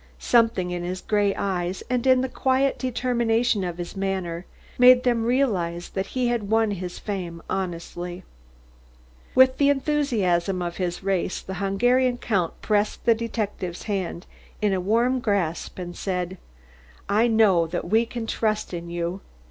Something in his grey eyes and in the quiet determination of his manner made them realise that he had won his fame honestly. With the enthusiasm of his race the Hungarian Count pressed the detective's hand in a warm grasp as he said: "I know that we can trust in you.